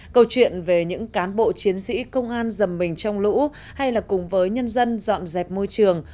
câu chuyện về những cán bộ chiến sĩ công an dầm mình trong lũ hay là cùng với nhân dân dọn dẹp môi trường